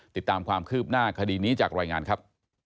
ติดตามความคืบหน้าคดีนี้จากรายงานครับ